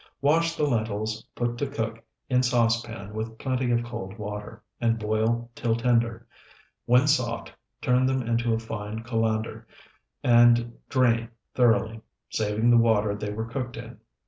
Wash the lentils, put to cook in saucepan with plenty of cold water, and boil till tender; when soft, turn them into a fine colander, and drain thoroughly, saving the water they were cooked in.